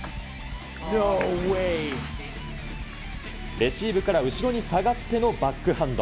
レシーブから後ろに下がってのバックハンド。